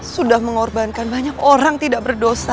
sudah mengorbankan banyak orang tidak berdosa